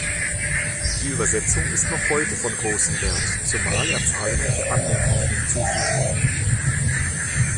Die Übersetzung ist noch heute von großem Wert, zumal er zahlreiche Anmerkungen hinzufügte.